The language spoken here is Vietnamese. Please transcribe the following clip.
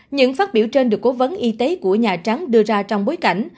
những phát biểu trên được cố vấn y tế của nhà trắng đưa ra trong bối cảnh